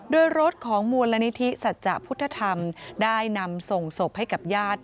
โดยรถของมูลนิธิสัจจะพุทธธรรมได้นำส่งศพให้กับญาติ